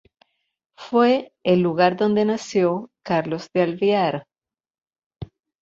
Fue el lugar donde nació Carlos de Alvear.